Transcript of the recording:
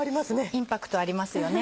インパクトありますよね。